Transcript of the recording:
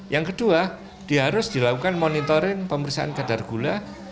yang kedua dia harus dilakukan monitoring pemeriksaan kadar gula